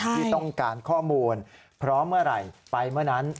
ที่ต้องการข้อมูลพร้อมเมื่อไหร่ไปเมื่อนั้น